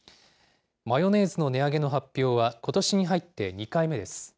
マヨネーズの値上げの発表は、ことしに入って２回目です。